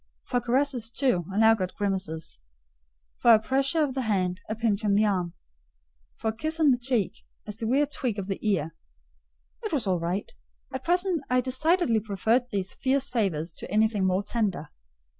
For caresses, too, I now got grimaces; for a pressure of the hand, a pinch on the arm; for a kiss on the cheek, a severe tweak of the ear. It was all right: at present I decidedly preferred these fierce favours to anything more tender.